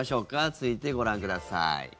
続いてご覧ください。